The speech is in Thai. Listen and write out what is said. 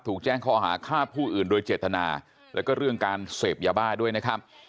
แจ้งข้อหาฆ่าผู้อื่นโดยเจตนาแล้วก็เรื่องการเสพยาบ้าด้วยนะครับ